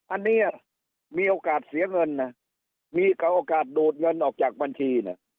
อันนี้มีโอกาสเสียเงินนะมีโอกาสดูดเงินออกจากบัญชีนะ